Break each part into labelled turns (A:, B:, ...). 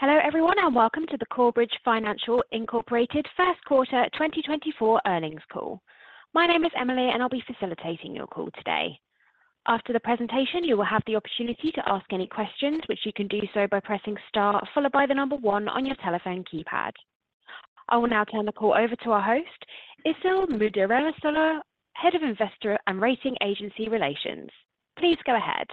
A: Hello, everyone, and welcome to the Corebridge Financial Incorporated First Quarter 2024 earnings call. My name is Emily, and I'll be facilitating your call today. After the presentation, you will have the opportunity to ask any questions, which you can do so by pressing star followed by the number one on your telephone keypad. I will now turn the call over to our host, Işıl Müderrisoğlu, Head of Investor and Rating Agency Relations. Please go ahead.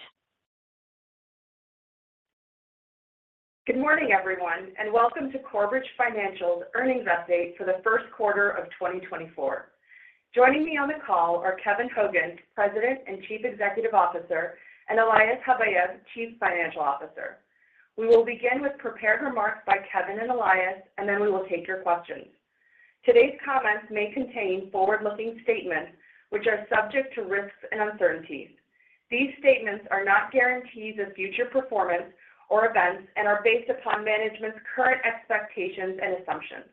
B: Good morning, everyone, and welcome to Corebridge Financial's earnings update for the first quarter of 2024. Joining me on the call are Kevin Hogan, President and Chief Executive Officer, and Elias Habayeb, Chief Financial Officer. We will begin with prepared remarks by Kevin and Elias, and then we will take your questions. Today's comments may contain forward-looking statements which are subject to risks and uncertainties. These statements are not guarantees of future performance or events and are based upon management's current expectations and assumptions.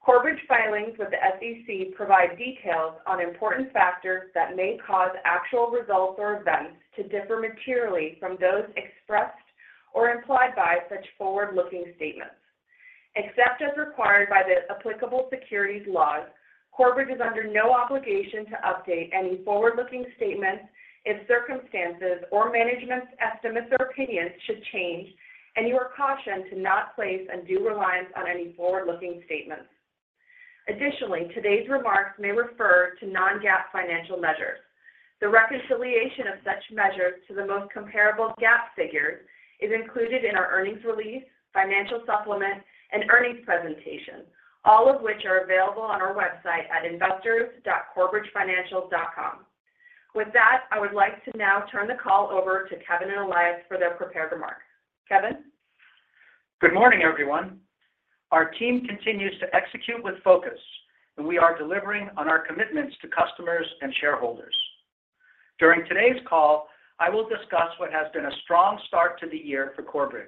B: Corebridge filings with the SEC provide details on important factors that may cause actual results or events to differ materially from those expressed or implied by such forward-looking statements. Except as required by the applicable securities laws, Corebridge is under no obligation to update any forward-looking statements if circumstances or management's estimates or opinions should change, and you are cautioned to not place undue reliance on any forward-looking statements. Additionally, today's remarks may refer to non-GAAP financial measures. The reconciliation of such measures to the most comparable GAAP figures is included in our earnings release, financial supplement, and earnings presentation, all of which are available on our website at investors.corebridgefinancial.com. With that, I would like to now turn the call over to Kevin and Elias for their prepared remarks. Kevin?
C: Good morning, everyone. Our team continues to execute with focus, and we are delivering on our commitments to customers and shareholders. During today's call, I will discuss what has been a strong start to the year for Corebridge.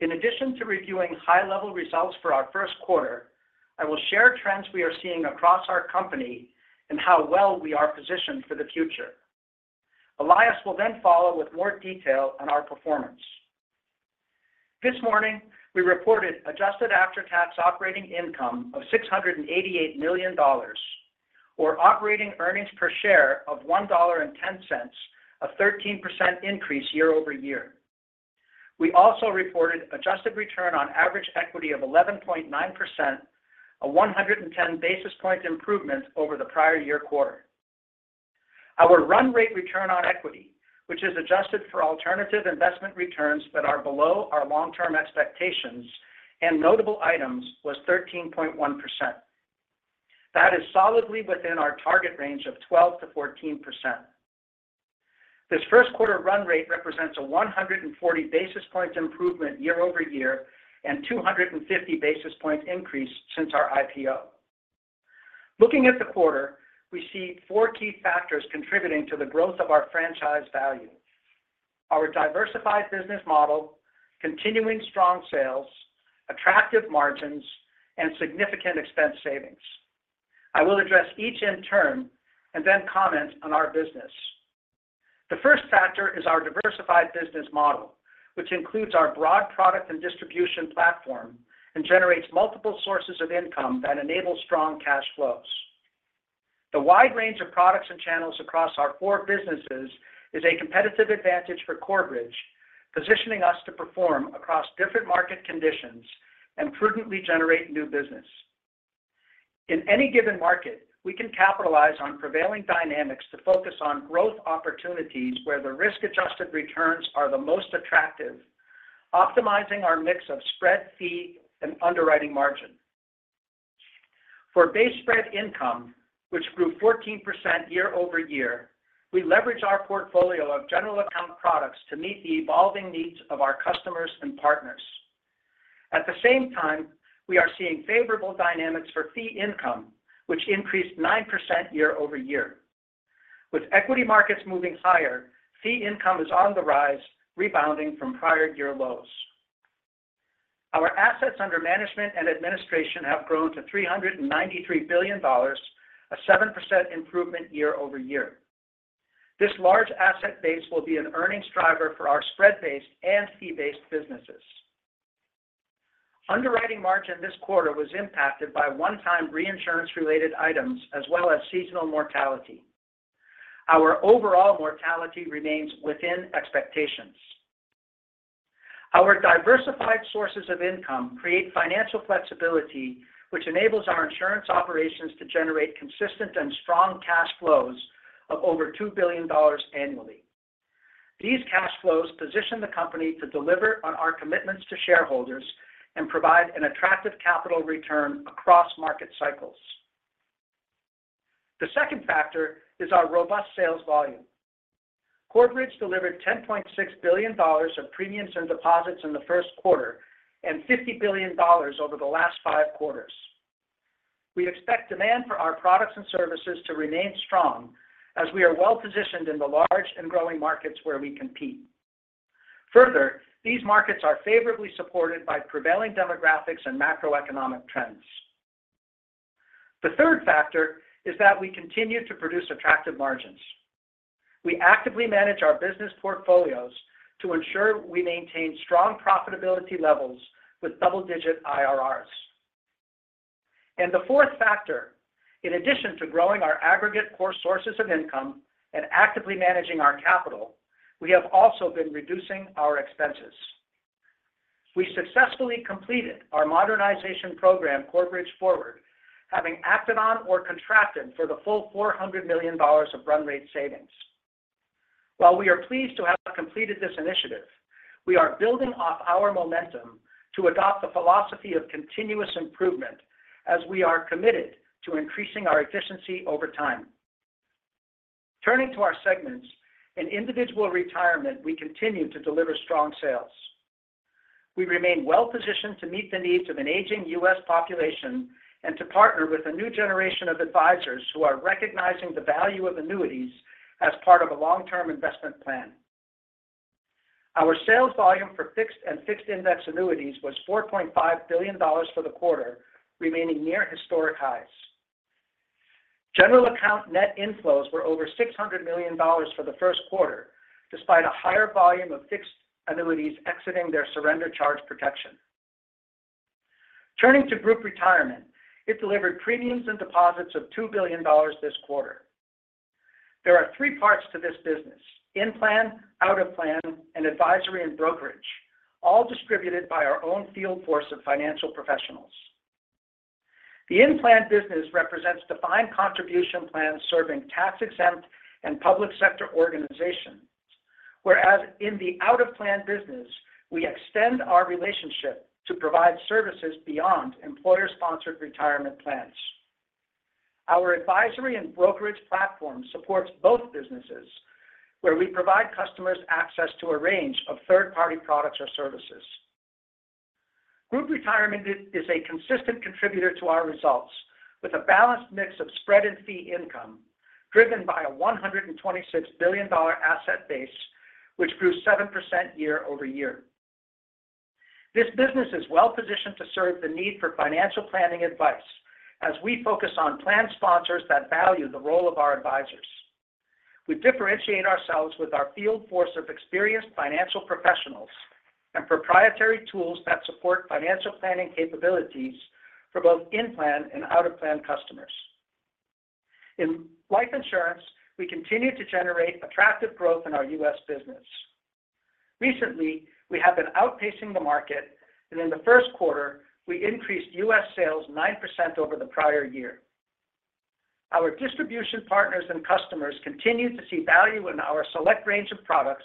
C: In addition to reviewing high-level results for our first quarter, I will share trends we are seeing across our company and how well we are positioned for the future. Elias will then follow with more detail on our performance. This morning, we reported adjusted after-tax operating income of $688 million, or operating earnings per share of $1.10, a 13% increase year-over-year. We also reported adjusted return on average equity of 11.9%, a 110 basis point improvement over the prior year quarter. Our run rate return on equity, which is adjusted for alternative investment returns that are below our long-term expectations and notable items, was 13.1%. That is solidly within our target range of 12%-14%. This first quarter run rate represents a 140 basis points improvement year-over-year and 250 basis points increase since our IPO. Looking at the quarter, we see four key factors contributing to the growth of our franchise value: our diversified business model, continuing strong sales, attractive margins, and significant expense savings. I will address each in turn and then comment on our business. The first factor is our diversified business model, which includes our broad product and distribution platform and generates multiple sources of income that enable strong cash flows. The wide range of products and channels across our four businesses is a competitive advantage for Corebridge, positioning us to perform across different market conditions and prudently generate new business. In any given market, we can capitalize on prevailing dynamics to focus on growth opportunities where the risk-adjusted returns are the most attractive, optimizing our mix of spread, fee, and underwriting margin. For base spread income, which grew 14% year-over-year, we leverage our portfolio of general account products to meet the evolving needs of our customers and partners. At the same time, we are seeing favorable dynamics for fee income, which increased 9% year-over-year. With equity markets moving higher, fee income is on the rise, rebounding from prior year lows. Our assets under management and administration have grown to $393 billion, a 7% improvement year-over-year. This large asset base will be an earnings driver for our spread-based and fee-based businesses. Underwriting margin this quarter was impacted by one-time reinsurance-related items as well as seasonal mortality. Our overall mortality remains within expectations. Our diversified sources of income create financial flexibility, which enables our insurance operations to generate consistent and strong cash flows of over $2 billion annually. These cash flows position the company to deliver on our commitments to shareholders and provide an attractive capital return across market cycles. The second factor is our robust sales volume. Corebridge delivered $10.6 billion of premiums and deposits in the first quarter and $50 billion over the last five quarters. We expect demand for our products and services to remain strong as we are well-positioned in the large and growing markets where we compete. Further, these markets are favorably supported by prevailing demographics and macroeconomic trends. The third factor is that we continue to produce attractive margins. We actively manage our business portfolios to ensure we maintain strong profitability levels with double-digit IRRs. And the fourth factor, in addition to growing our aggregate core sources of income and actively managing our capital, we have also been reducing our expenses. We successfully completed our modernization program, Corebridge Forward, having acted on or contracted for the full $400 million of run rate savings. While we are pleased to have completed this initiative, we are building off our momentum to adopt a philosophy of continuous improvement as we are committed to increasing our efficiency over time. Turning to our segments, in Individual Retirement, we continue to deliver strong sales. We remain well-positioned to meet the needs of an aging U.S. population and to partner with a new generation of advisors who are recognizing the value of annuities as part of a long-term investment plan. Our sales volume for fixed and fixed index annuities was $4.5 billion for the quarter, remaining near historic highs. General account net inflows were over $600 million for the first quarter, despite a higher volume of fixed annuities exiting their surrender charge protection. Turning to Group Retirement, it delivered premiums and deposits of $2 billion this quarter. There are three parts to this business: in-plan, out-of-plan, and advisory and brokerage, all distributed by our own field force of financial professionals. The in-plan business represents defined contribution plans serving tax-exempt and public sector organizations, whereas in the out-of-plan business, we extend our relationship to provide services beyond employer-sponsored retirement plans. Our advisory and brokerage platform supports both businesses, where we provide customers access to a range of third-party products or services. Group Retirement is a consistent contributor to our results, with a balanced mix of spread and fee income, driven by a $126 billion asset base, which grew 7% year-over-year. This business is well-positioned to serve the need for financial planning advice as we focus on plan sponsors that value the role of our advisors. We differentiate ourselves with our field force of experienced financial professionals and proprietary tools that support financial planning capabilities for both in-plan and out-of-plan customers. In life insurance, we continue to generate attractive growth in our U.S. business. Recently, we have been outpacing the market, and in the first quarter, we increased U.S. sales 9% over the prior year. Our distribution partners and customers continue to see value in our select range of products,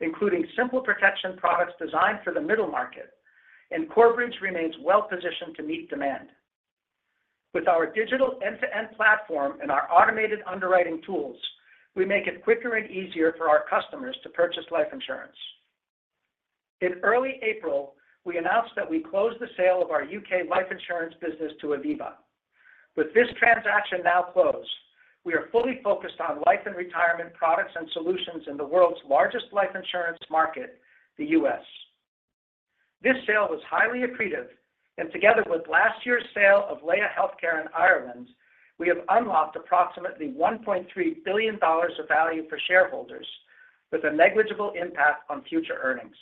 C: including simple protection products designed for the middle market, and Corebridge remains well positioned to meet demand. With our digital end-to-end platform and our automated underwriting tools, we make it quicker and easier for our customers to purchase life insurance. In early April, we announced that we closed the sale of our U.K. life insurance business to Aviva. With this transaction now closed, we are fully focused on life and retirement products and solutions in the world's largest life insurance market, the U.S. This sale was highly accretive, and together with last year's sale of Laya Healthcare in Ireland, we have unlocked approximately $1.3 billion of value for shareholders, with a negligible impact on future earnings.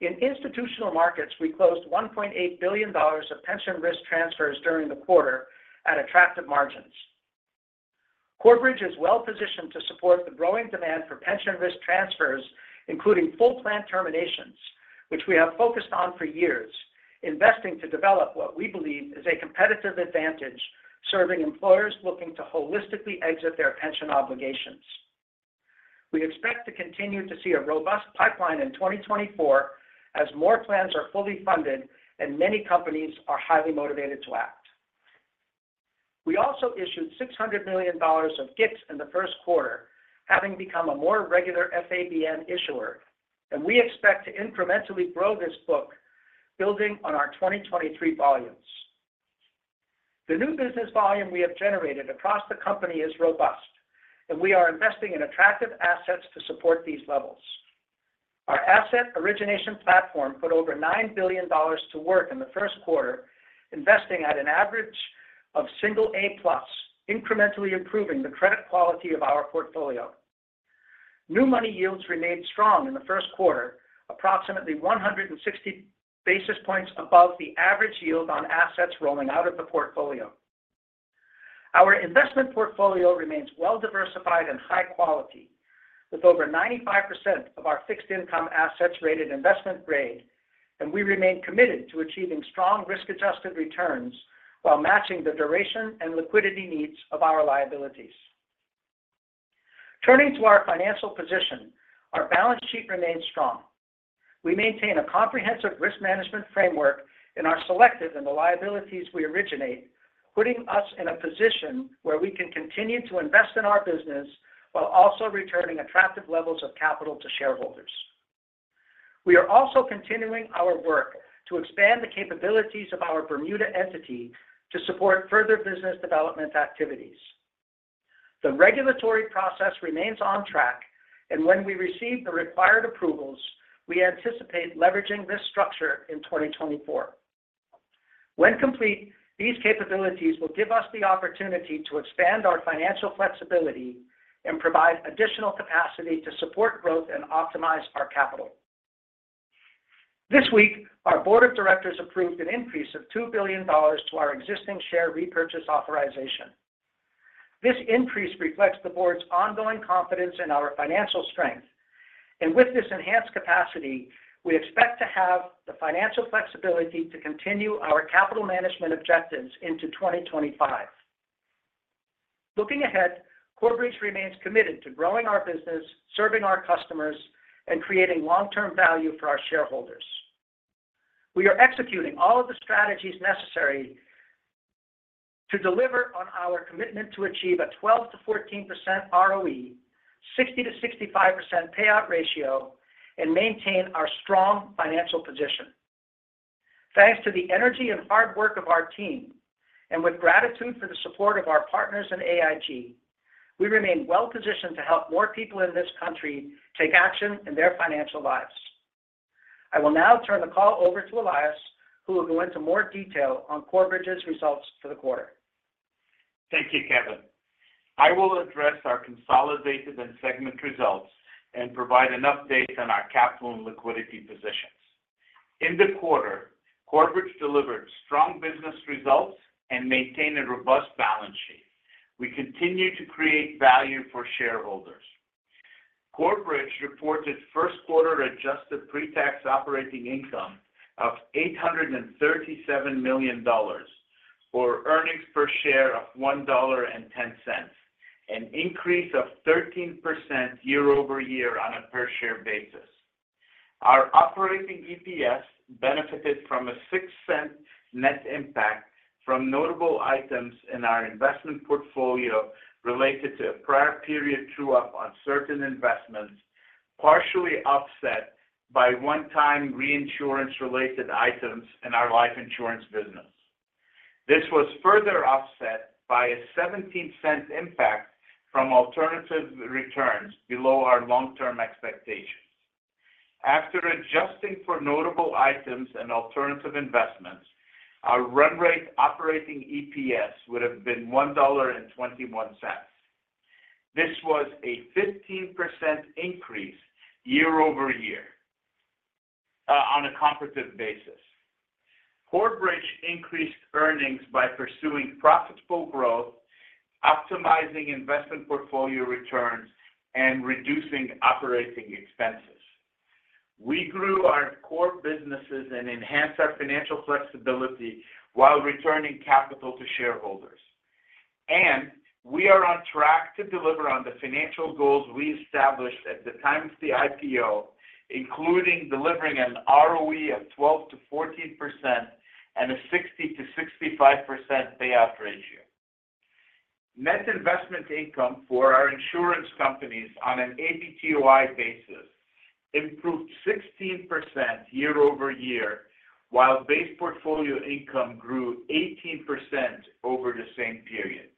C: In Institutional Markets, we closed $1.8 billion of pension risk transfers during the quarter at attractive margins. Corebridge is well positioned to support the growing demand for pension risk transfers, including full plan terminations, which we have focused on for years, investing to develop what we believe is a competitive advantage, serving employers looking to holistically exit their pension obligations. We expect to continue to see a robust pipeline in 2024 as more plans are fully funded and many companies are highly motivated to act. We also issued $600 million of GICs in the first quarter, having become a more regular FABN issuer, and we expect to incrementally grow this book, building on our 2023 volumes. The new business volume we have generated across the company is robust, and we are investing in attractive assets to support these levels. Our asset origination platform put over $9 billion to work in the first quarter, investing at an average of single A plus, incrementally improving the credit quality of our portfolio. New money yields remained strong in the first quarter, approximately 160 basis points above the average yield on assets rolling out of the portfolio. Our investment portfolio remains well-diversified and high quality, with over 95% of our fixed income assets rated investment grade, and we remain committed to achieving strong risk-adjusted returns while matching the duration and liquidity needs of our liabilities. Turning to our financial position, our balance sheet remains strong. We maintain a comprehensive risk management framework and are selective in the liabilities we originate, putting us in a position where we can continue to invest in our business while also returning attractive levels of capital to shareholders. We are also continuing our work to expand the capabilities of our Bermuda entity to support further business development activities. The regulatory process remains on track, and when we receive the required approvals, we anticipate leveraging this structure in 2024. When complete, these capabilities will give us the opportunity to expand our financial flexibility and provide additional capacity to support growth and optimize our capital. This week, our board of directors approved an increase of $2 billion to our existing share repurchase authorization. This increase reflects the board's ongoing confidence in our financial strength, and with this enhanced capacity, we expect to have the financial flexibility to continue our capital management objectives into 2025. Looking ahead, Corebridge remains committed to growing our business, serving our customers, and creating long-term value for our shareholders. We are executing all of the strategies necessary to deliver on our commitment to achieve a 12%-14% ROE, 60%-65% payout ratio, and maintain our strong financial position. Thanks to the energy and hard work of our team, and with gratitude for the support of our partners in AIG, we remain well positioned to help more people in this country take action in their financial lives. I will now turn the call over to Elias, who will go into more detail on Corebridge's results for the quarter.
D: Thank you, Kevin. I will address our consolidated and segment results and provide an update on our capital and liquidity positions. In the quarter, Corebridge delivered strong business results and maintained a robust balance sheet. We continue to create value for shareholders. Corebridge reported first quarter adjusted pre-tax operating income of $837 million, or earnings per share of $1.10, an increase of 13% year-over-year on a per-share basis. Our operating EPS benefited from a $0.06 net impact from notable items in our investment portfolio related to a prior period true-up on certain investments, partially offset by one-time reinsurance-related items in our life insurance business. This was further offset by a $0.17 impact from alternative returns below our long-term expectations. After adjusting for notable items and alternative investments, our run rate operating EPS would have been $1.21. This was a 15% increase year-over-year on a comparative basis. Corebridge increased earnings by pursuing profitable growth, optimizing investment portfolio returns, and reducing operating expenses. We grew our core businesses and enhanced our financial flexibility while returning capital to shareholders, and we are on track to deliver on the financial goals we established at the time of the IPO, including delivering an ROE of 12%-14% and a 60%-65% payout ratio. Net investment income for our insurance companies on an APTOI basis improved 16% year-over-year, while base portfolio income grew 18% over the same period.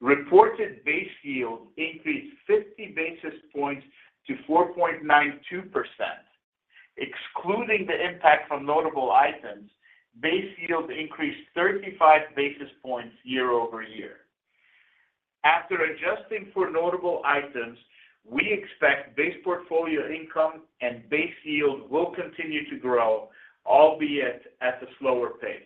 D: Reported base yield increased 50 basis points to 4.92%. Excluding the impact from notable items, base yield increased 35 basis points year-over-year. After adjusting for notable items, we expect base portfolio income and base yield will continue to grow, albeit at a slower pace.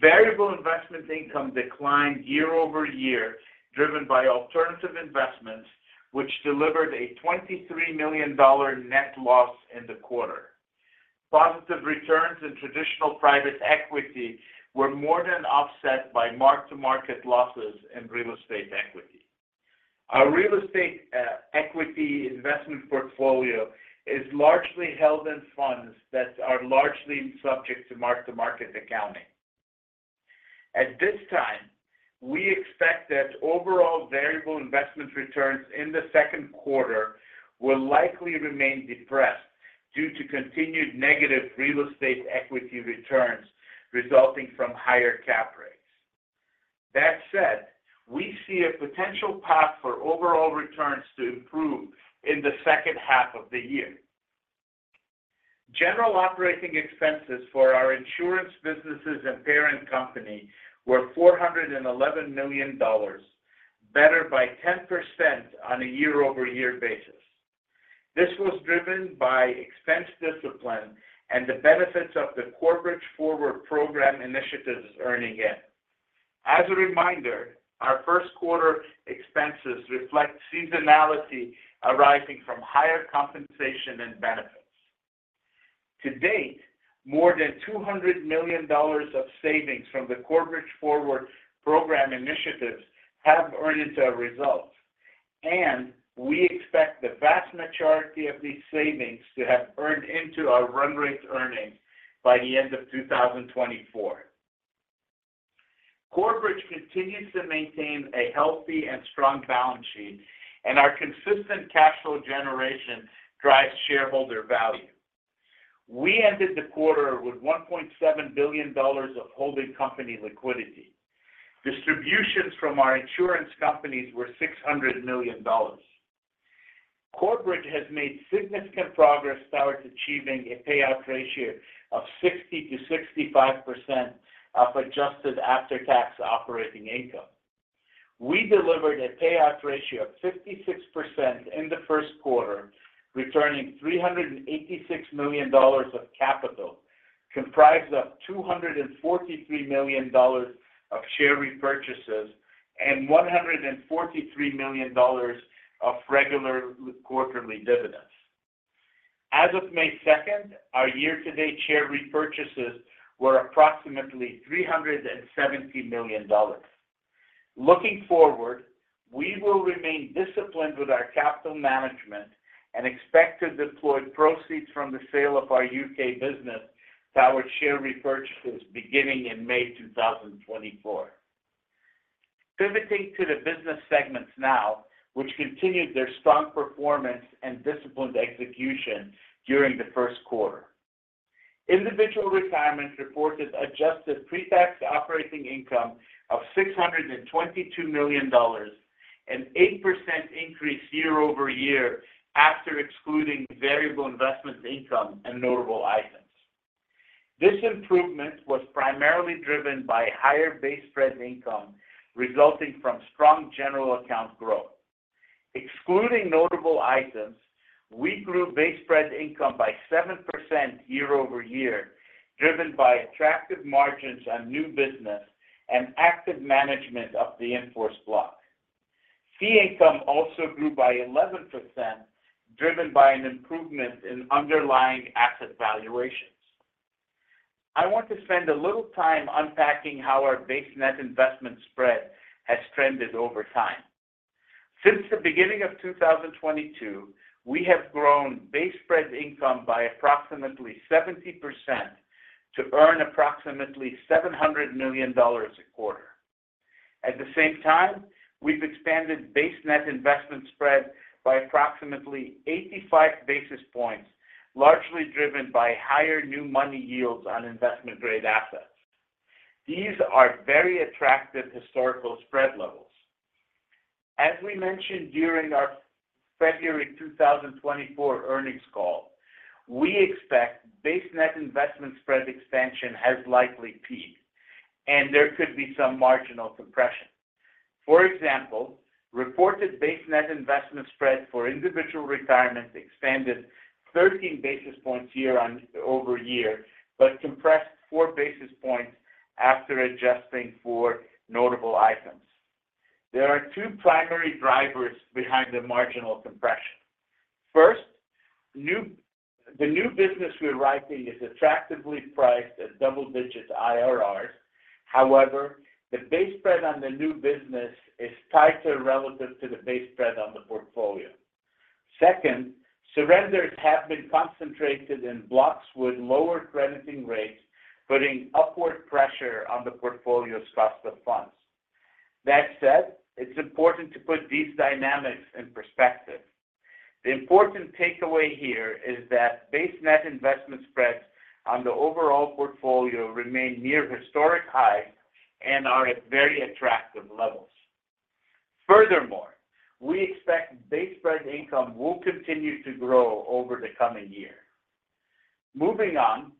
D: Variable investment income declined year-over-year, driven by alternative investments, which delivered a $23 million net loss in the quarter. Positive returns in traditional private equity were more than offset by mark-to-market losses in real estate equity. Our real estate equity investment portfolio is largely held in funds that are largely subject to mark-to-market accounting. At this time, we expect that overall variable investment returns in the second quarter will likely remain depressed due to continued negative real estate equity returns resulting from higher cap rates. That said, we see a potential path for overall returns to improve in the second half of the year. General operating expenses for our insurance businesses and parent company were $411 million, better by 10% on a year-over-year basis. This was driven by expense discipline and the benefits of the Corebridge Forward program initiatives earning in. As a reminder, our first quarter expenses reflect seasonality arising from higher compensation and benefits. To date, more than $200 million of savings from the Corebridge Forward program initiatives have earned into our results, and we expect the vast majority of these savings to have earned into our run rate earnings by the end of 2024. Corebridge continues to maintain a healthy and strong balance sheet, and our consistent cash flow generation drives shareholder value. We ended the quarter with $1.7 billion of holding company liquidity. Distributions from our insurance companies were $600 million. Corporate has made significant progress towards achieving a payout ratio of 60%-65% of adjusted after-tax operating income. We delivered a payout ratio of 56% in the first quarter, returning $386 million of capital, comprised of $243 million of share repurchases and $143 million of regular quarterly dividends. As of May 2nd, our year-to-date share repurchases were approximately $370 million. Looking forward, we will remain disciplined with our capital management and expect to deploy proceeds from the sale of our U.K. business towards share repurchases beginning in May 2024. Pivoting to the business segments now, which continued their strong performance and disciplined execution during the first quarter. Individual Retirement reported adjusted pre-tax operating income of $622 million, an 8% increase year-over-year after excluding variable investment income and notable items. This improvement was primarily driven by higher base spread income, resulting from strong general account growth. Excluding notable items, we grew base spread income by 7% year-over-year, driven by attractive margins on new business and active management of the in-force block. Fee income also grew by 11%, driven by an improvement in underlying asset valuations. I want to spend a little time unpacking how our base net investment spread has trended over time. Since the beginning of 2022, we have grown base spread income by approximately 70% to earn approximately $700 million a quarter. At the same time, we've expanded base net investment spread by approximately 85 basis points, largely driven by higher new money yields on investment-grade assets. These are very attractive historical spread levels. As we mentioned during our February 2024 earnings call, we expect base net investment spread expansion has likely peaked, and there could be some marginal compression. For example, reported base net investment spread for individual retirement expanded 13 basis points year-over-year, but compressed 4 basis points after adjusting for notable items. There are two primary drivers behind the marginal compression. First, the new business we are writing is attractively priced at double-digit IRRs. However, the base spread on the new business is tighter relative to the base spread on the portfolio. Second, surrenders have been concentrated in blocks with lower crediting rates, putting upward pressure on the portfolio's cost of funds. That said, it's important to put these dynamics in perspective. The important takeaway here is that base net investment spreads on the overall portfolio remain near historic highs and are at very attractive levels. Furthermore, we expect base spread income will continue to grow over the coming year. Moving on,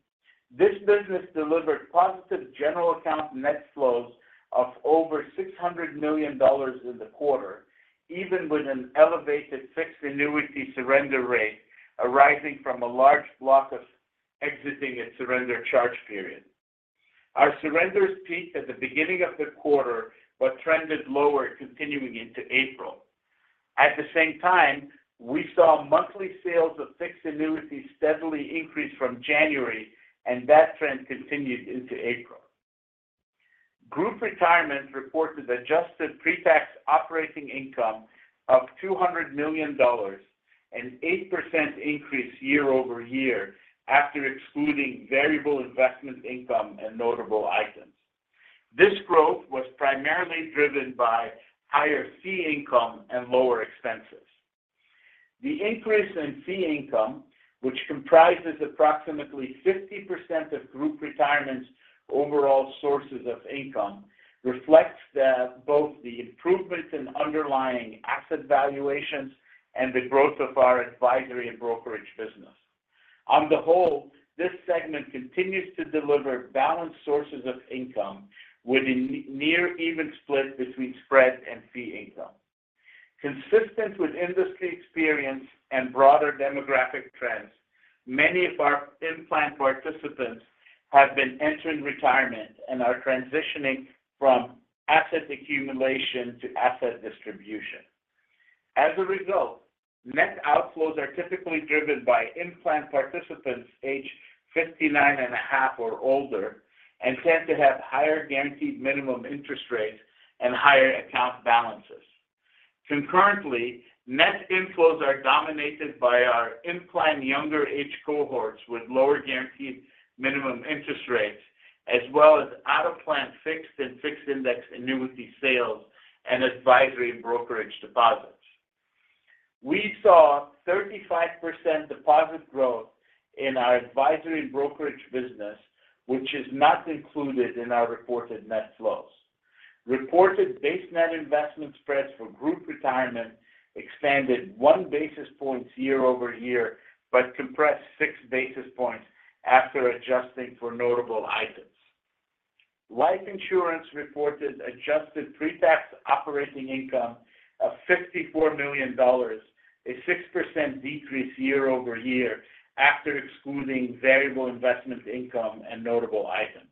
D: this business delivered positive general account net flows of over $600 million in the quarter, even with an elevated fixed annuity surrender rate arising from a large block of exiting and surrender charge period. Our surrenders peaked at the beginning of the quarter, but trended lower, continuing into April. At the same time, we saw monthly sales of fixed annuities steadily increase from January, and that trend continued into April. Group Retirement reported adjusted pre-tax operating income of $200 million, an 8% increase year-over-year after excluding variable investment income and notable items. This growth was primarily driven by higher fee income and lower expenses. The increase in fee income, which comprises approximately 50% of Group Retirement's overall sources of income, reflects both the improvements in underlying asset valuations and the growth of our advisory and brokerage business. On the whole, this segment continues to deliver balanced sources of income with a near even split between spread and fee income. Consistent with industry experience and broader demographic trends, many of our in-plan participants have been entering retirement and are transitioning from asset accumulation to asset distribution. As a result, net outflows are typically driven by in-plan participants aged 59.5 or older and tend to have higher guaranteed minimum interest rates and higher account balances. Concurrently, net inflows are dominated by our in-plan, younger age cohorts with lower guaranteed minimum interest rates, as well as out-of-plan fixed and fixed-index annuity sales and advisory and brokerage deposits.... We saw 35% deposit growth in our advisory brokerage business, which is not included in our reported net flows. Reported base net investment spreads for group retirement expanded 1 basis point year-over-year, but compressed 6 basis points after adjusting for notable items. Life insurance reported adjusted pretax operating income of $54 million, a 6% decrease year-over-year, after excluding variable investment income and notable items.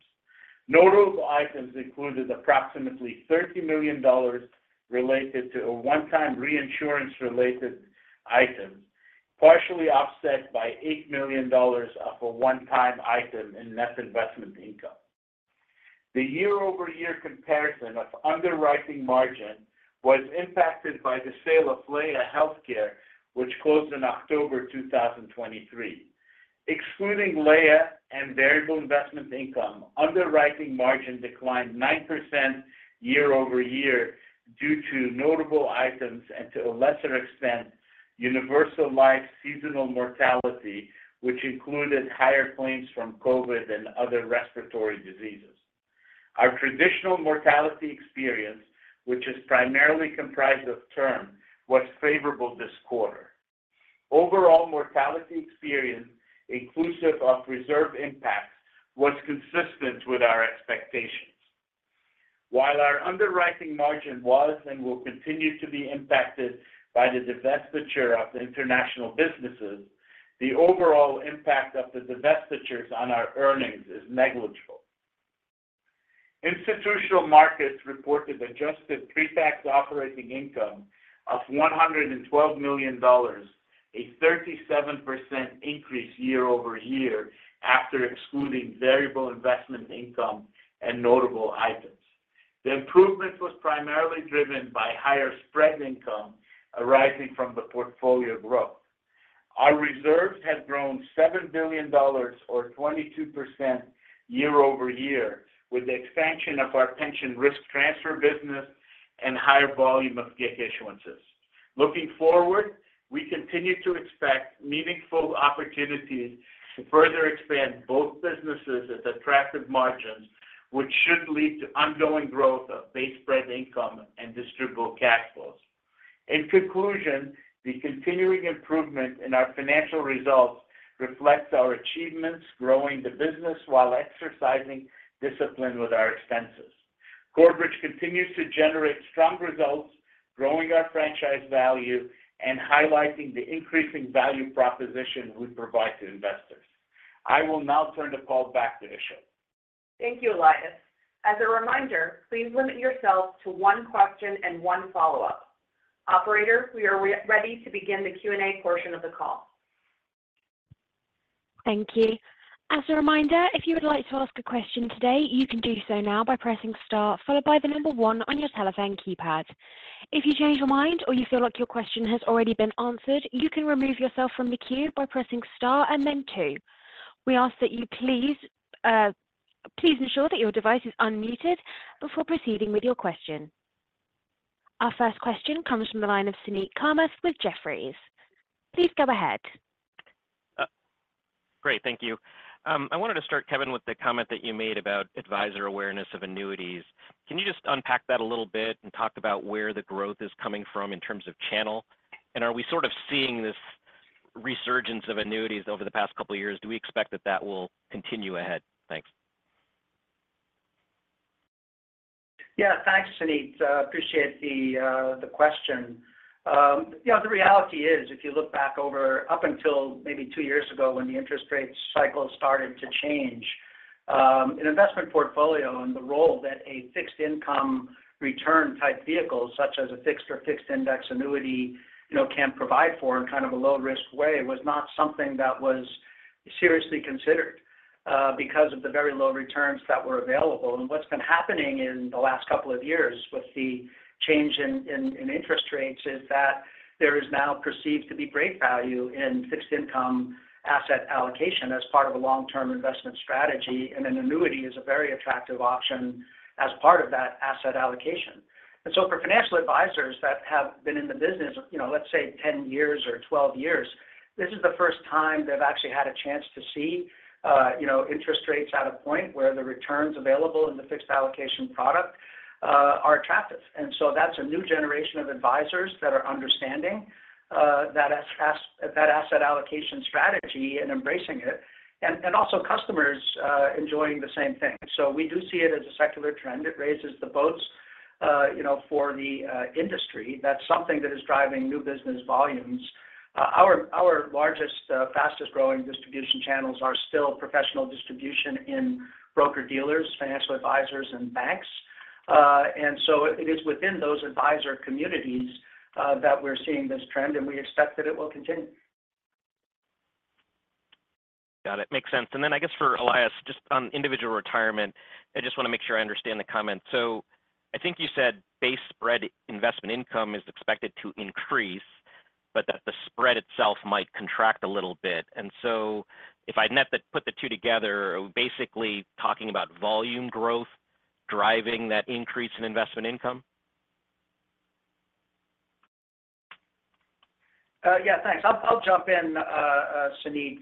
D: Notable items included approximately $30 million related to a one-time reinsurance-related item, partially offset by $8 million of a one-time item in net investment income. The year-over-year comparison of underwriting margin was impacted by the sale of Laya Healthcare, which closed in October 2023. Excluding RILA and variable investment income, underwriting margin declined 9% year-over-year due to notable items and, to a lesser extent, universal life seasonal mortality, which included higher claims from COVID and other respiratory diseases. Our traditional mortality experience, which is primarily comprised of term, was favorable this quarter. Overall mortality experience, inclusive of reserve impacts, was consistent with our expectations. While our underwriting margin was and will continue to be impacted by the divestiture of the international businesses, the overall impact of the divestitures on our earnings is negligible. Institutional Markets reported Adjusted Pre-Tax Operating Income of $112 million, a 37% increase year-over-year after excluding variable investment income and notable items. The improvement was primarily driven by higher spread income arising from the portfolio growth. Our reserves have grown $7 billion or 22% year-over-year, with the expansion of our Pension Risk Transfer business and higher volume of GIC issuances. Looking forward, we continue to expect meaningful opportunities to further expand both businesses at attractive margins, which should lead to ongoing growth of base spread income and distributable cash flows. In conclusion, the continuing improvement in our financial results reflects our achievements, growing the business while exercising discipline with our expenses. Corebridge continues to generate strong results, growing our franchise value and highlighting the increasing value proposition we provide to investors. I will now turn the call back to Işıl.
B: Thank you, Elias. As a reminder, please limit yourself to one question and one follow-up. Operator, we are ready to begin the Q&A portion of the call.
A: Thank you. As a reminder, if you would like to ask a question today, you can do so now by pressing star followed by the number one on your telephone keypad. If you change your mind or you feel like your question has already been answered, you can remove yourself from the queue by pressing star and then two. We ask that you please, please ensure that your device is unmuted before proceeding with your question. Our first question comes from the line of Suneet Kamath with Jefferies. Please go ahead.
E: Great, thank you. I wanted to start, Kevin, with the comment that you made about advisor awareness of annuities. Can you just unpack that a little bit and talk about where the growth is coming from in terms of channel? And are we sort of seeing this resurgence of annuities over the past couple of years? Do we expect that that will continue ahead? Thanks.
C: Yeah, thanks, Suneet. Appreciate the question. You know, the reality is, if you look back over up until maybe two years ago when the interest rate cycle started to change, an investment portfolio and the role that a fixed income return type vehicle, such as a fixed or fixed index annuity, you know, can provide for in kind of a low-risk way, was not something that was seriously considered, because of the very low returns that were available. And what's been happening in the last couple of years with the change in interest rates, is that there is now perceived to be great value in fixed income asset allocation as part of a long-term investment strategy, and an annuity is a very attractive option as part of that asset allocation. And so for financial advisors that have been in the business, you know, let's say 10 years or 12 years, this is the first time they've actually had a chance to see, you know, interest rates at a point where the returns available in the fixed allocation product are attractive. And so that's a new generation of advisors that are understanding that asset allocation strategy and embracing it, and also customers enjoying the same thing. So we do see it as a secular trend. It raises the boats, you know, for the industry. That's something that is driving new business volumes. Our largest, fastest growing distribution channels are still professional distribution in broker-dealers, financial advisors, and banks. And so it is within those advisor communities that we're seeing this trend, and we expect that it will continue.
E: Got it. Makes sense. And then I guess for Elias, just on Individual Retirement, I just wanna make sure I understand the comment. So I think you said base spread investment income is expected to increase, but that the spread itself might contract a little bit. And so if I put the two together, are we basically talking about volume growth driving that increase in investment income?
C: Yeah, thanks. I'll jump in, Suneet.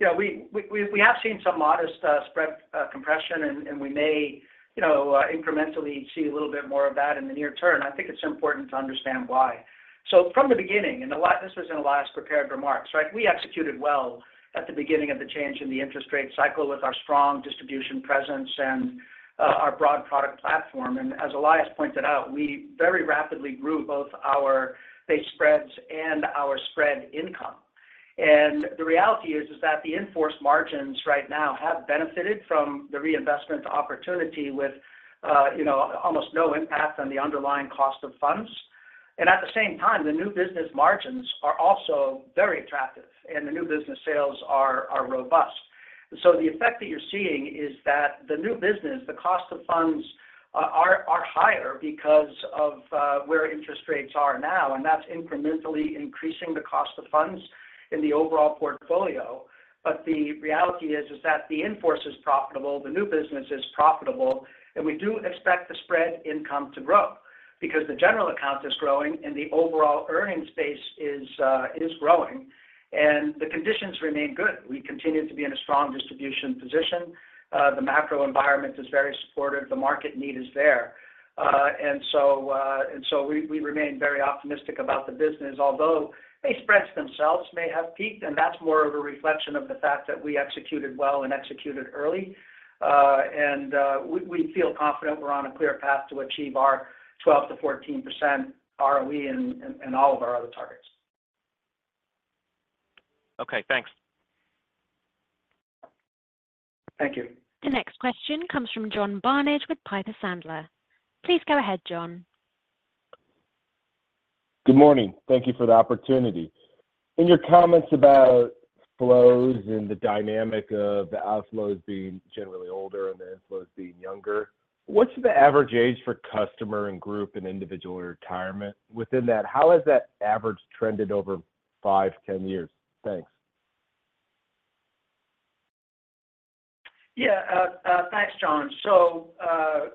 C: Yeah, we have seen some modest spread compression, and we may, you know, incrementally see a little bit more of that in the near term. I think it's important to understand why. So from the beginning, and Elias, this is in Elias' prepared remarks, right? We executed well at the beginning of the change in the interest rate cycle with our strong distribution presence and our broad product platform. And as Elias pointed out, we very rapidly grew both our base spreads and our spread income. And the reality is that the in-force margins right now have benefited from the reinvestment opportunity with, you know, almost no impact on the underlying cost of funds. At the same time, the new business margins are also very attractive, and the new business sales are robust. The effect that you're seeing is that the new business, the cost of funds are higher because of where interest rates are now, and that's incrementally increasing the cost of funds in the overall portfolio. But the reality is that the in-force is profitable, the new business is profitable, and we do expect the spread income to grow because the general account is growing and the overall earnings base is growing, and the conditions remain good. We continue to be in a strong distribution position. The macro environment is very supportive. The market need is there. And so we remain very optimistic about the business, although base spreads themselves may have peaked, and that's more of a reflection of the fact that we executed well and executed early. We feel confident we're on a clear path to achieve our 12%-14% ROE and all of our other targets.
E: Okay, thanks.
C: Thank you.
A: The next question comes from John Barnidge with Piper Sandler. Please go ahead, John.
F: Good morning. Thank you for the opportunity. In your comments about flows and the dynamic of the outflows being generally older and the inflows being younger, what's the average age for customer and group in individual retirement? Within that, how has that average trended over five, 10 years? Thanks.
C: Yeah. Thanks, John. So,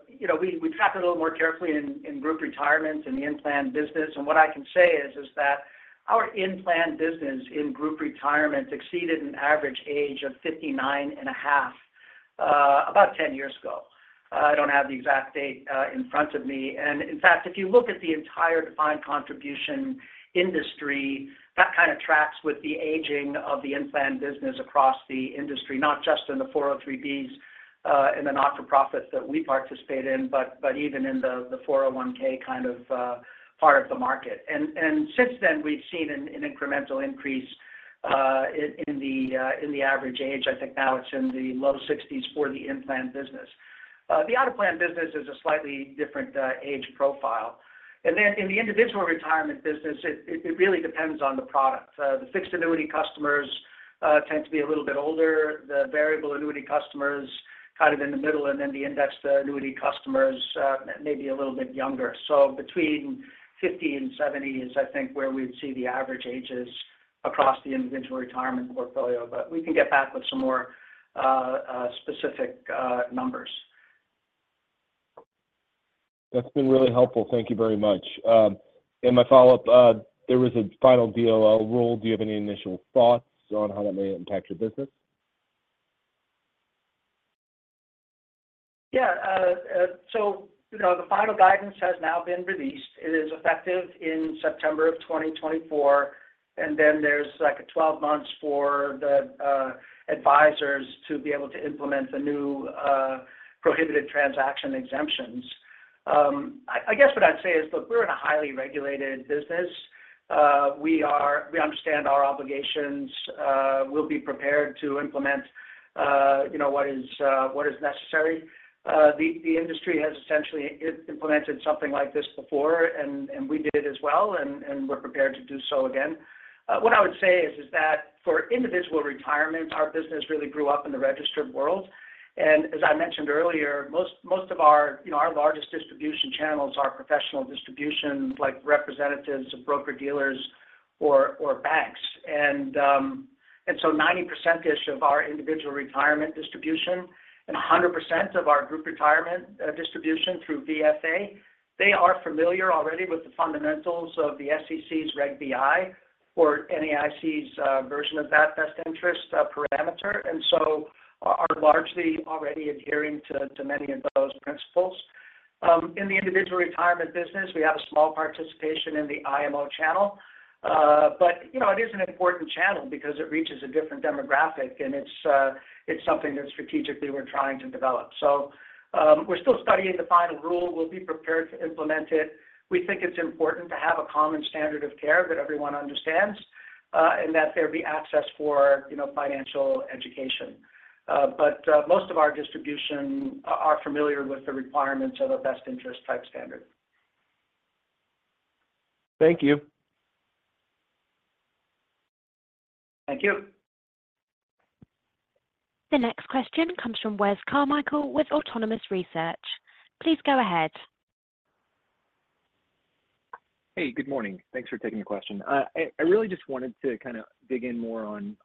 C: you know, we tracked it a little more carefully in Group Retirement and the in-plan business, and what I can say is that our in-plan business in Group Retirement exceeded an average age of 59.5 about 10 years ago. I don't have the exact date in front of me. And in fact, if you look at the entire defined contribution industry, that kind of tracks with the aging of the in-plan business across the industry, not just in the 403(b) and the not-for-profits that we participate in, but even in the 401(k) kind of part of the market. And since then, we've seen an incremental increase in the average age. I think now it's in the low 60s for the in-plan business. The out-of-plan business is a slightly different age profile. And then in the individual retirement business, it really depends on the product. The fixed annuity customers tend to be a little bit older, the variable annuity customers kind of in the middle, and then the index annuity customers maybe a little bit younger. So between 50 and 70 is, I think, where we'd see the average ages across the individual retirement portfolio, but we can get back with some more specific numbers.
F: That's been really helpful. Thank you very much. And my follow-up, there was a final DOL rule. Do you have any initial thoughts on how that may impact your business?
C: Yeah, so, you know, the final guidance has now been released. It is effective in September 2024, and then there's, like, 12 months for the advisors to be able to implement the new prohibited transaction exemptions. I guess what I'd say is, look, we're in a highly regulated business. We understand our obligations. We'll be prepared to implement, you know, what is necessary. The industry has essentially implemented something like this before, and we did it as well, and we're prepared to do so again. What I would say is that for individual retirements, our business really grew up in the registered world. As I mentioned earlier, most of our, you know, our largest distribution channels are professional distributions, like representatives of broker-dealers or banks. And so 90% of our individual retirement distribution and 100% of our group retirement distribution through VFA, they are familiar already with the fundamentals of the SEC's Reg BI or NAIC's version of that best interest parameter, and so are largely already adhering to many of those principles. In the individual retirement business, we have a small participation in the IMO channel. But, you know, it is an important channel because it reaches a different demographic, and it's something that strategically we're trying to develop. We're still studying the final rule. We'll be prepared to implement it. We think it's important to have a common standard of care that everyone understands, and that there be access for, you know, financial education. But most of our distribution are familiar with the requirements of a best interest type standard.
F: Thank you.
C: Thank you.
A: The next question comes from Wes Carmichael with Autonomous Research. Please go ahead.
G: Hey, good morning. Thanks for taking the question. I really just wanted to kind of dig in more on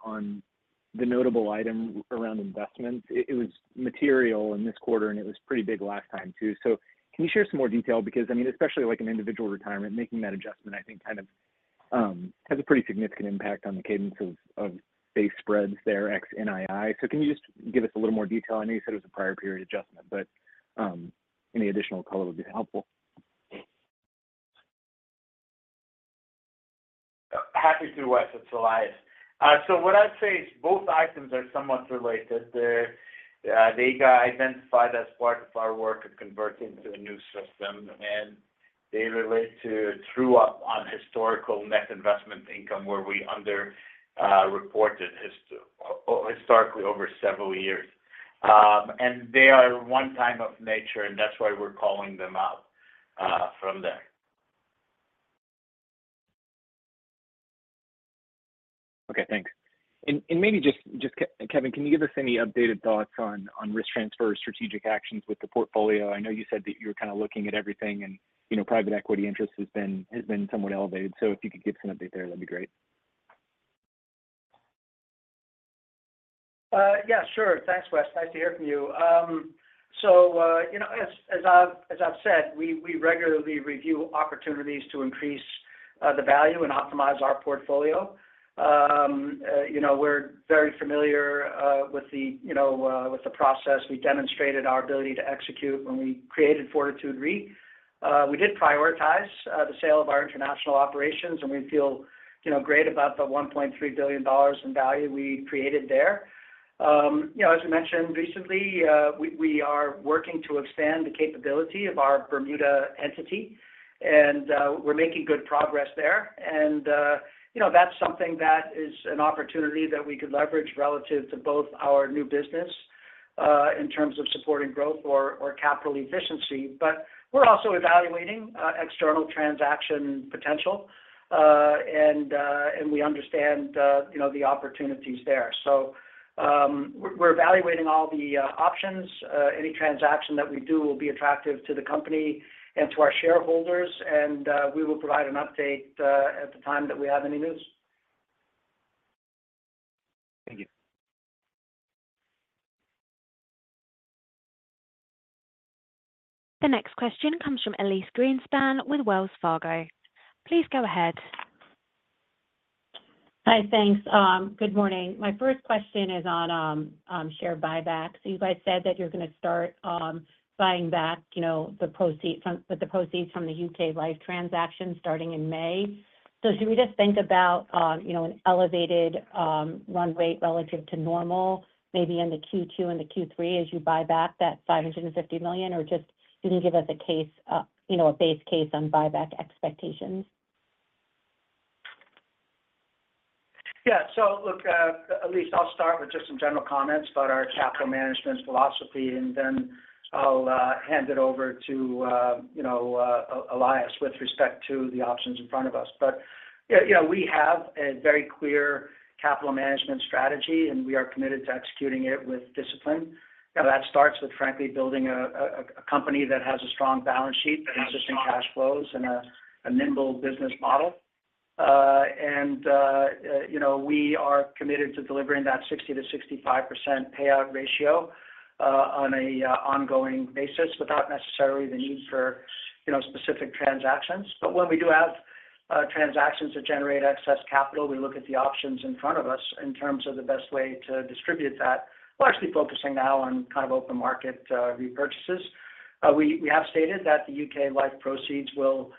G: the notable item around investments. It was material in this quarter, and it was pretty big last time, too. So can you share some more detail? Because, I mean, especially like an individual retirement, making that adjustment, I think, kind of, has a pretty significant impact on the cadence of base spreads there, ex NII. So can you just give us a little more detail? I know you said it was a prior period adjustment, but any additional color would be helpful.
D: Happy to, Wes. It's Elias. So what I'd say is both items are somewhat related. They're, they got identified as part of our work of converting to a new system, and they relate to true-up on historical net investment income, where we underreported historically over several years. And they are one-time in nature, and that's why we're calling them out, from there.
G: Okay, thanks. And maybe just, Kevin, can you give us any updated thoughts on risk transfer strategic actions with the portfolio? I know you said that you were kind of looking at everything, and you know, private equity interest has been somewhat elevated. So if you could give us an update there, that'd be great.
C: Yeah, sure. Thanks, Wes. Nice to hear from you. So, you know, as I've said, we regularly review opportunities to increase the value and optimize our portfolio. You know, we're very familiar with the process. We demonstrated our ability to execute when we created Fortitude Re. We did prioritize the sale of our international operations, and we feel, you know, great about the $1.3 billion in value we created there. You know, as we mentioned recently, we are working to expand the capability of our Bermuda entity, and we're making good progress there. You know, that's something that is an opportunity that we could leverage relative to both our new business in terms of supporting growth or capital efficiency. But we're also evaluating external transaction potential, and we understand, you know, the opportunities there. So, we're evaluating all the options. Any transaction that we do will be attractive to the company and to our shareholders, and we will provide an update at the time that we have any news.
G: Thank you.
A: The next question comes from Elyse Greenspan with Wells Fargo. Please go ahead.
H: Hi, thanks. Good morning. My first question is on share buybacks. You guys said that you're going to start buying back, you know, with the proceeds from the U.K. Life transaction starting in May. So should we just think about, you know, an elevated run rate relative to normal, maybe in the Q2 and the Q3 as you buy back that $550 million, or just can you give us a case, you know, a base case on buyback expectations?
C: Yeah. So look, Elyse, I'll start with just some general comments about our capital management philosophy, and then I'll hand it over to you know, Elias, with respect to the options in front of us. But, yeah, you know, we have a very clear capital management strategy, and we are committed to executing it with discipline. You know, that starts with, frankly, building a company that has a strong balance sheet, consistent cash flows, and a nimble business model. And you know, we are committed to delivering that 60%-65% payout ratio, on an ongoing basis without necessarily the need for, you know, specific transactions. But when we do have transactions that generate excess capital, we look at the options in front of us in terms of the best way to distribute that. We're actually focusing now on kind of open market repurchases. We have stated that the U.K. Life proceeds will,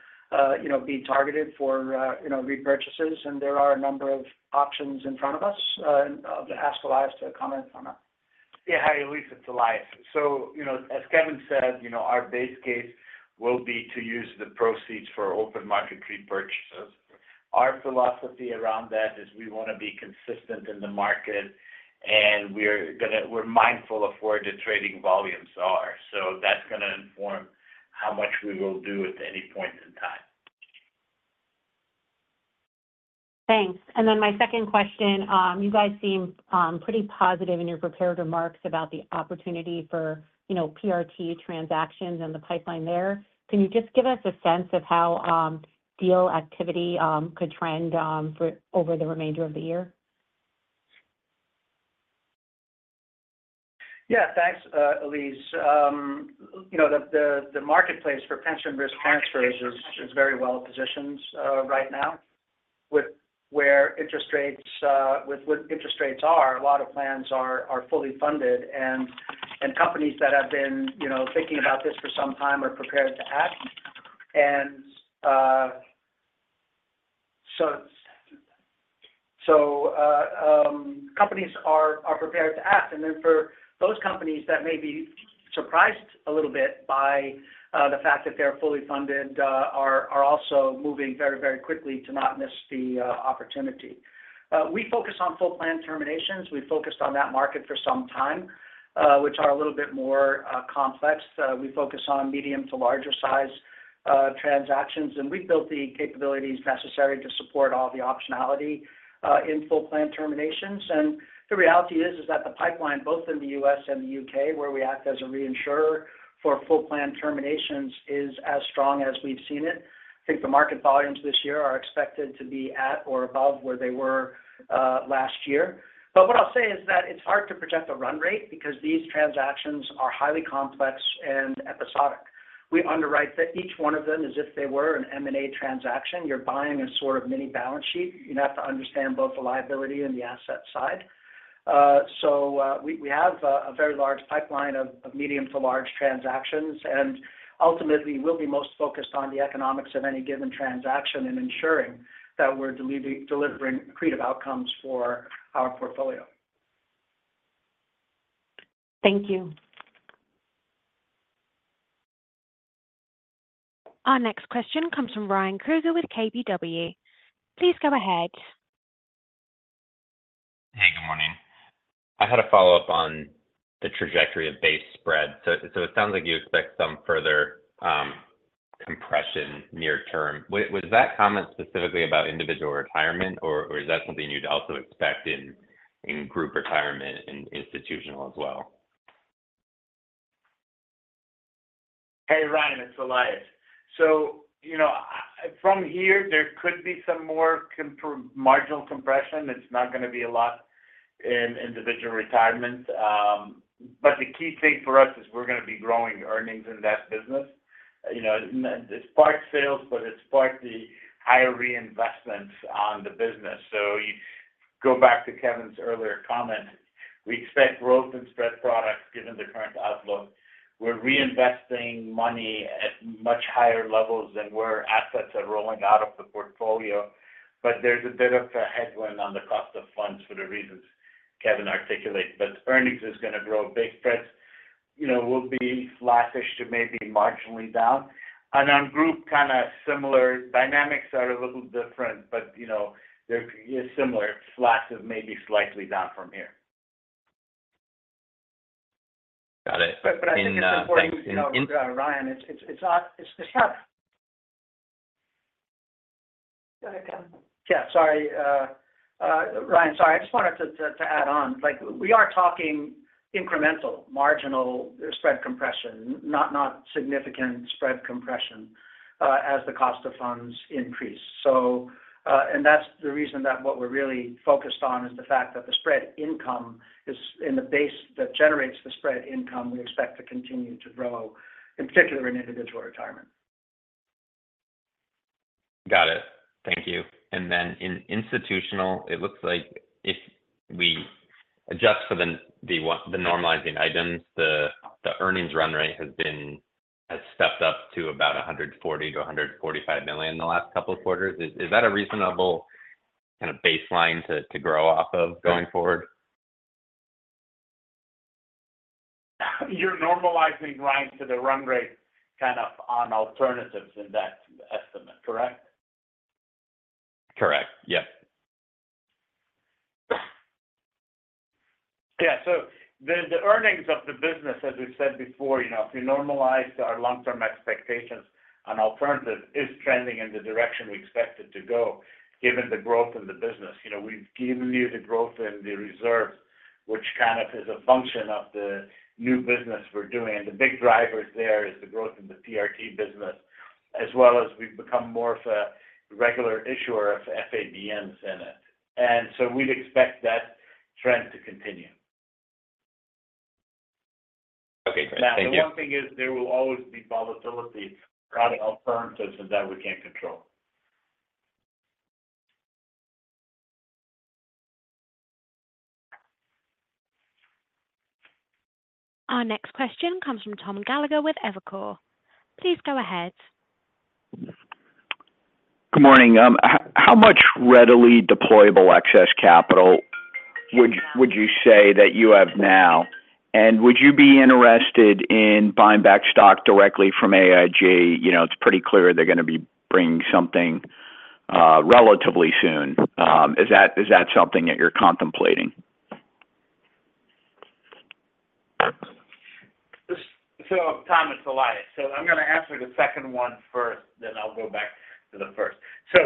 C: you know, be targeted for, you know, repurchases, and there are a number of options in front of us. And I'll ask Elias to comment on that.
D: Yeah. Hi, Elyse, it's Elias. So, you know, as Kevin said, you know, our base case will be to use the proceeds for open market repurchases. Our philosophy around that is we want to be consistent in the market, and we're mindful of where the trading volumes are. So that's gonna inform how much we will do at any point in time.
H: Thanks. And then my second question, you guys seem pretty positive in your prepared remarks about the opportunity for, you know, PRT transactions and the pipeline there. Can you just give us a sense of how deal activity could trend over the remainder of the year?
C: Yeah. Thanks, Elyse. You know, the marketplace for pension risk transfers is very well positioned right now. With where interest rates are, a lot of plans are fully funded, and companies that have been, you know, thinking about this for some time are prepared to act. And so companies are prepared to act. And then for those companies that may be surprised a little bit by the fact that they're fully funded, are also moving very, very quickly to not miss the opportunity. We focus on full plan terminations. We focused on that market for some time, which are a little bit more complex. We focus on medium to larger-sized transactions, and we've built the capabilities necessary to support all the optionality in full plan terminations. The reality is, is that the pipeline, both in the U.S. and the U.K., where we act as a reinsurer for full plan terminations is as strong as we've seen it. I think the market volumes this year are expected to be at or above where they were last year. But what I'll say is that it's hard to project a run rate because these transactions are highly complex and episodic. We underwrite that each one of them as if they were an M&A transaction, you're buying a sort of mini balance sheet. You have to understand both the liability and the asset side. So, we have a very large pipeline of medium to large transactions, and ultimately, we'll be most focused on the economics of any given transaction and ensuring that we're delivering creative outcomes for our portfolio.
A: Thank you. Our next question comes from Ryan Krueger with KBW. Please go ahead.
I: Hey, good morning. I had a follow-up on the trajectory of base spread. So, it sounds like you expect some further compression near term. Was that comment specifically about individual retirement, or is that something you'd also expect in group retirement and institutional as well?
D: Hey, Ryan, it's Elias. So, you know, from here, there could be some more marginal compression. It's not gonna be a lot in individual retirement. But the key thing for us is we're gonna be growing earnings in that business. You know, it's part sales, but it's part the higher reinvestments on the business. So you go back to Kevin's earlier comment, we expect growth in spread products given the current outlook. We're reinvesting money at much higher levels than where assets are rolling out of the portfolio, but there's a bit of a headwind on the cost of funds for the reasons Kevin articulated. But earnings is gonna grow. Big spreads, you know, will be flattish to maybe marginally down. And on group, kind of similar, dynamics are a little different, but, you know, they're similar, flat to maybe slightly down from here.
I: Got it.
C: But I think it's important, you know, Ryan, it's not... Yeah, sorry. Ryan, sorry. I just wanted to add on. Like, we are talking incremental, marginal spread compression, not significant spread compression, as the cost of funds increase. So, and that's the reason that what we're really focused on is the fact that the spread income is in the base that generates the spread income, we expect to continue to grow, in particular, in individual retirement.
I: Got it. Thank you. And then in institutional, it looks like if we adjust for the normalizing items, the earnings run rate has been, has stepped up to about $140 million-$145 million in the last couple of quarters. Is that a reasonable kind of baseline to grow off of going forward?
D: You're normalizing, Ryan, to the run rate, kind of on alternatives in that estimate, correct?
I: Correct. Yep.
D: Yeah. So the earnings of the business, as we've said before, you know, if you normalize our long-term expectations on alternative, is trending in the direction we expect it to go, given the growth in the business. You know, we've given you the growth in the reserves, which kind of is a function of the new business we're doing. And the big drivers there is the growth in the PRT business, as well as we've become more of a regular issuer of FABNs in it. And so we'd expect that trend to continue.
I: Okay, great. Thank you.
D: The one thing is there will always be volatility out of alternatives, and that we can't control.
A: Our next question comes from Tom Gallagher with Evercore. Please go ahead.
J: Good morning. How much readily deployable excess capital would you say that you have now? And would you be interested in buying back stock directly from AIG? You know, it's pretty clear they're gonna be bringing something relatively soon. Is that something that you're contemplating?
D: So, Tom, it's Elias. So I'm gonna answer the second one first, then I'll go back to the first. So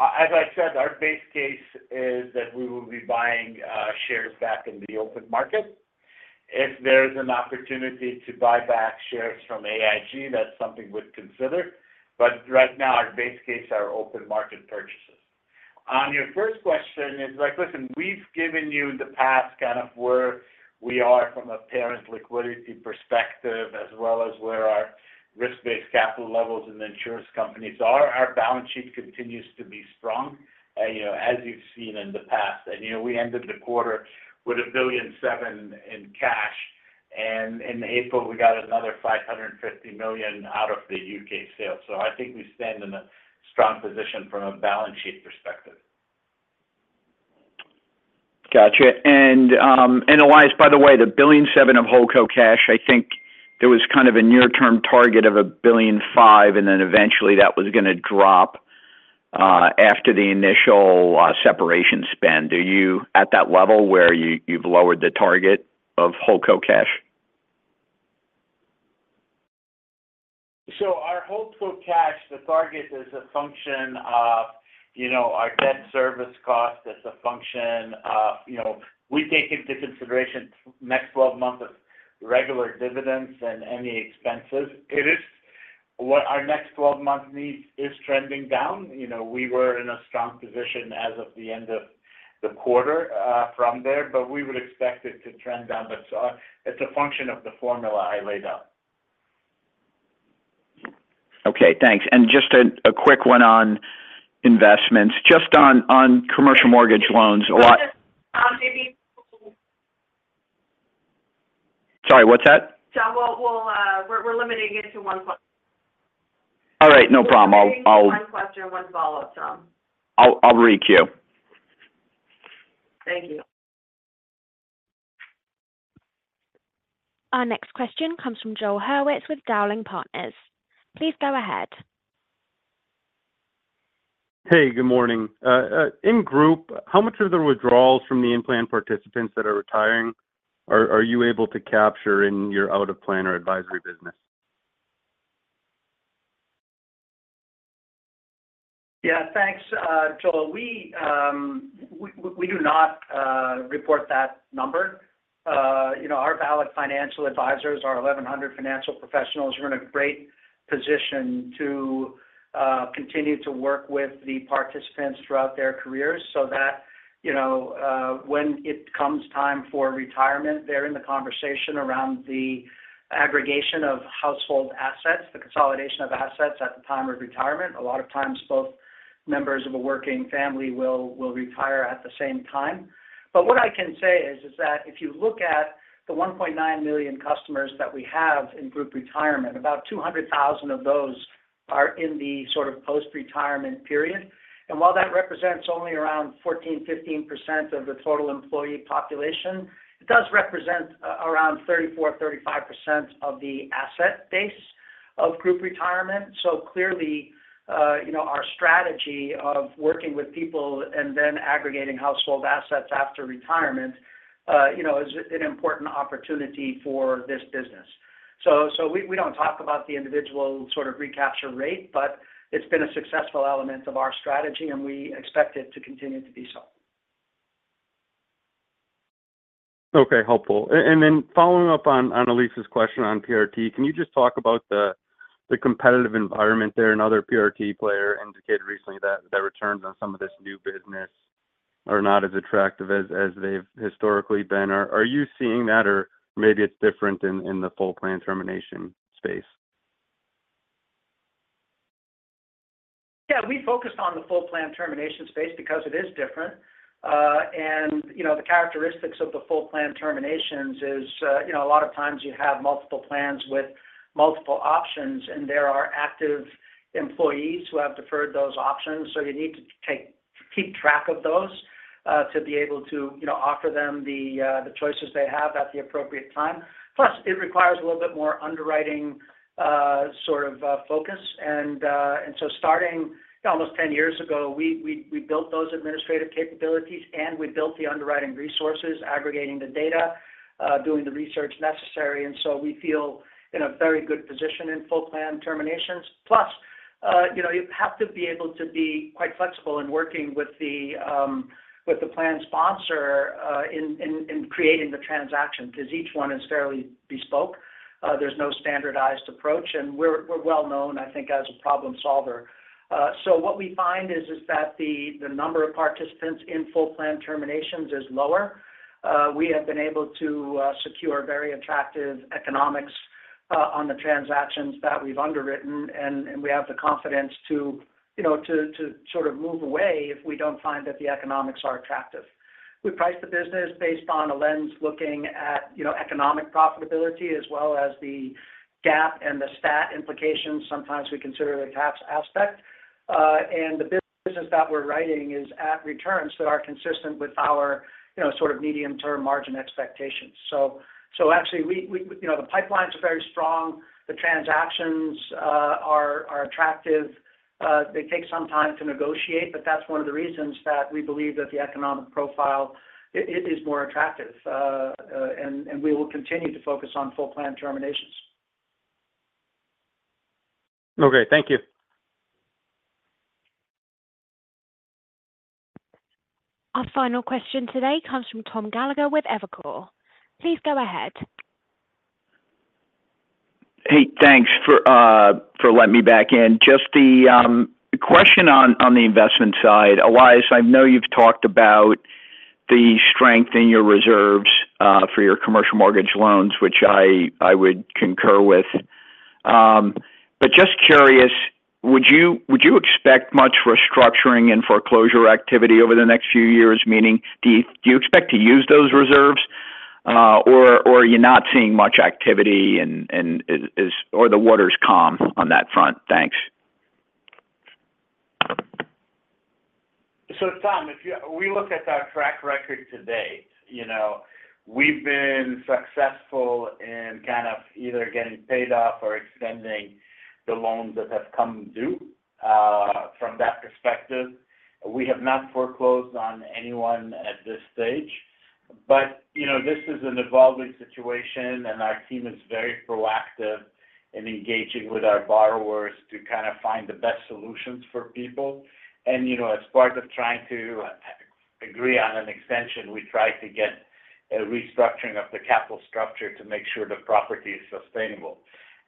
D: as I said, our base case is that we will be buying shares back in the open market. If there is an opportunity to buy back shares from AIG, that's something we'd consider, but right now, our base case are open market purchases. On your first question, it's like, listen, we've given you the past, kind of where we are from a parent liquidity perspective, as well as where our risk-based capital levels in the insurance companies are. Our balance sheet continues to be strong, you know, as you've seen in the past. And, you know, we ended the quarter with $1.7 billion in cash, and in April, we got another $550 million out of the U.K. sale. I think we stand in a strong position from a balance sheet perspective.
J: Gotcha. And Elias, by the way, the $1.7 billion of Holdco Cash, I think there was kind of a near-term target of $1.5 billion, and then eventually that was gonna drop after the initial separation spend. Are you at that level where you've lowered the target of Holdco Cash?...
D: So our Holdco cash, the target is a function of, you know, our debt service cost. It's a function of, you know, we take into consideration next 12 months of regular dividends and any expenses. It is what our next 12 months needs is trending down. You know, we were in a strong position as of the end of the quarter, from there, but we would expect it to trend down. But so it's a function of the formula I laid out.
J: Okay, thanks. Just a quick one on investments. Just on commercial mortgage loans, a lot-
B: Um, maybe-
J: Sorry, what's that?
B: John, we'll, we're limiting it to one question.
J: All right. No problem. I'll-
B: One question, one follow-up, John.
J: I'll requeue.
B: Thank you.
A: Our next question comes from Joel Hurwitz with Dowling & Partners. Please go ahead.
K: Hey, good morning. In Group, how much of the withdrawals from the in-plan participants that are retiring are you able to capture in your out-of-plan or advisory business?
C: Yeah, thanks, Joel. We do not report that number. You know, our valued financial advisors, our 1,100 financial professionals, are in a great position to continue to work with the participants throughout their careers so that, you know, when it comes time for retirement, they're in the conversation around the aggregation of household assets, the consolidation of assets at the time of retirement. A lot of times, both members of a working family will retire at the same time. But what I can say is that if you look at the 1.9 million customers that we have in Group Retirement, about 200,000 of those are in the sort of post-retirement period. And while that represents only around 14%-15% of the total employee population, it does represent around 34%-35% of the asset base of Group Retirement. So clearly, you know, our strategy of working with people and then aggregating household assets after retirement, you know, is an important opportunity for this business. So, so we, we don't talk about the individual sort of recapture rate, but it's been a successful element of our strategy, and we expect it to continue to be so.
K: Okay, helpful. And then following up on Elias's question on PRT, can you just talk about the competitive environment there? Another PRT player indicated recently that the returns on some of this new business are not as attractive as they've historically been. Are you seeing that, or maybe it's different in the full plan termination space?
C: Yeah, we focused on the full plan termination space because it is different. And, you know, the characteristics of the full plan terminations is, you know, a lot of times you have multiple plans with multiple options, and there are active employees who have deferred those options. So you need to keep track of those, to be able to, you know, offer them the choices they have at the appropriate time. Plus, it requires a little bit more underwriting, sort of, focus. And so starting almost 10 years ago, we built those administrative capabilities, and we built the underwriting resources, aggregating the data, doing the research necessary. And so we feel in a very good position in full plan terminations. Plus, you know, you have to be able to be quite flexible in working with the plan sponsor in creating the transaction, because each one is fairly bespoke. There's no standardized approach, and we're well known, I think, as a problem solver. So what we find is that the number of participants in full plan terminations is lower. We have been able to secure very attractive economics on the transactions that we've underwritten, and we have the confidence to, you know, to sort of move away if we don't find that the economics are attractive. We price the business based on a lens looking at, you know, economic profitability as well as the GAAP and the STAT implications. Sometimes we consider the tax aspect. And the business that we're writing is at returns that are consistent with our, you know, sort of medium-term margin expectations. So, actually, you know, the pipeline's very strong. The transactions are attractive. They take some time to negotiate, but that's one of the reasons that we believe that the economic profile is more attractive. And we will continue to focus on full plan terminations.
K: Okay, thank you.
A: Our final question today comes from Tom Gallagher with Evercore. Please go ahead.
J: Hey, thanks for letting me back in. Just the question on the investment side, Elias. I know you've talked about the strength in your reserves for your commercial mortgage loans, which I would concur with. But just curious, would you expect much restructuring and foreclosure activity over the next few years? Meaning, do you expect to use those reserves, or are you not seeing much activity and is... or the water's calm on that front? Thanks.
D: So, Tom, if we look at our track record to date, you know, we've been successful in kind of either getting paid off or extending the loans that have come due. From that perspective, we have not foreclosed on anyone at this stage. But, you know, this is an evolving situation, and our team is very proactive in engaging with our borrowers to kind of find the best solutions for people. And, you know, as part of trying to agree on an extension, we try to get a restructuring of the capital structure to make sure the property is sustainable.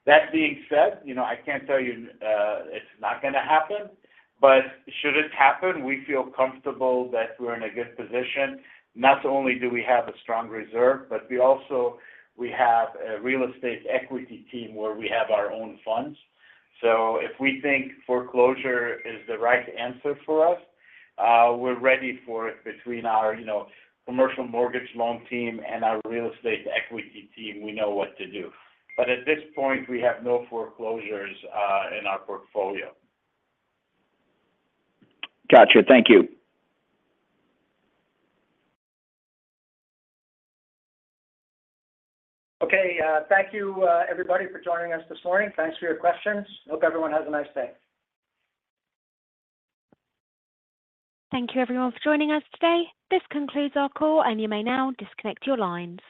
D: That being said, you know, I can't tell you it's not gonna happen, but should it happen, we feel comfortable that we're in a good position. Not only do we have a strong reserve, but we also have a real estate equity team where we have our own funds. So if we think foreclosure is the right answer for us, we're ready for it. Between our, you know, commercial mortgage loan team and our real estate equity team, we know what to do. But at this point, we have no foreclosures in our portfolio.
J: Gotcha. Thank you.
C: Okay. Thank you, everybody, for joining us this morning. Thanks for your questions. Hope everyone has a nice day.
A: Thank you, everyone, for joining us today. This concludes our call, and you may now disconnect your lines.